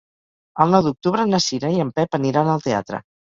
El nou d'octubre na Cira i en Pep aniran al teatre.